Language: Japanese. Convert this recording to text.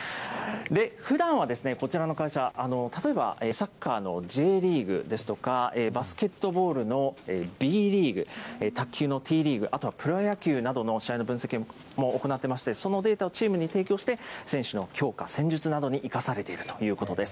ふだんはこちらの会社、例えばサッカーのＪリーグですとか、バスケットボールのＢリーグ、卓球のＴリーグ、あとはプロ野球などの試合の分析も行ってまして、そのデータをチームに提供して、選手の強化、戦術などに生かされているということです。